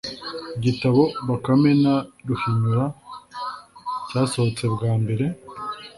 igitabo bakame na ruhinyura cyasohotse bwa mbere